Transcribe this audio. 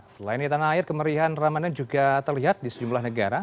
selain di tanah air kemerihan ramadan juga terlihat di sejumlah negara